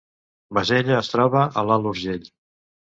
Bassella es troba a l’Alt Urgell